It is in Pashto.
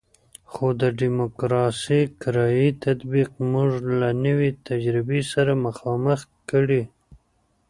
خو د ډیموکراسي کرایي تطبیق موږ له نوې تجربې سره مخامخ کړی.